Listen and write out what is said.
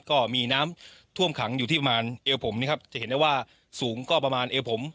ก็มีน้ำท่วมขังอยู่ที่ประมาณเอวผมนะครับจะเห็นได้ว่าสูงก็ประมาณเอวผม